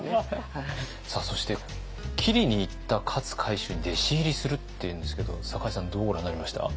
そして斬りにいった勝海舟に弟子入りするっていうんですけど酒井さんどうご覧になりました？